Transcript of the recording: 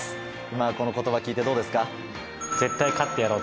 今この言葉聞いてどうですか？